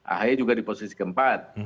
ahy juga di posisi keempat